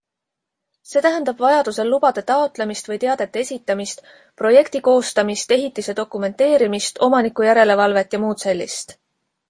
See tähendab vajadusel lubade taotlemist või teadete esitamist, projekti koostamist, ehitise dokumenteerimist, omanikujärelevalvet jms.